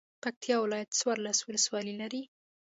پکتیا ولایت څوارلس ولسوالۍ لري.